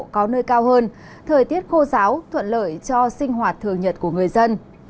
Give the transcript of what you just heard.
có nơi cao hơn thời tiết khô giáo thuận lợi cho sinh hoạt thường nhật của người dân